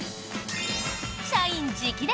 社員直伝！